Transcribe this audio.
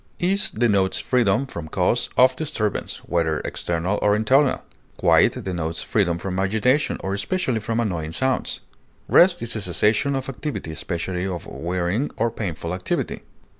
Ease denotes freedom from cause of disturbance, whether external or internal. Quiet denotes freedom from agitation, or especially from annoying sounds. Rest is a cessation of activity especially of wearying or painful activity.